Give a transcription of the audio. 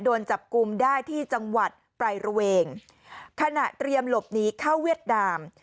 โดนจับกลุ่มได้ที่จังหวัดปลายระเวงขณะเตรียมหลบหนีเข้าเวียดนาม